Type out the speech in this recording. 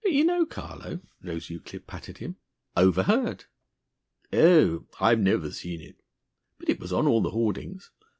"Don't you know, Carlo?" Rose Euclid patted him. "'Overheard.'" "Oh! I've never seen it." "But it was on all the hoardings!"